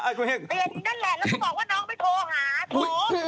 แล้วคุณบอกว่าน้องไปโทรหา